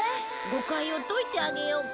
誤解を解いてあげようか。